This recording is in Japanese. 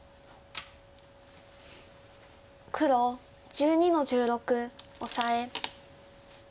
黒１２の十六オサエ。